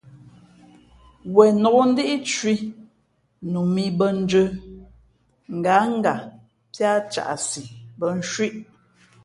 Wenǒk ndíꞌcwī nu mǐ bᾱ njə̄, ngǎnga píá caꞌsi bᾱ ncwíʼ.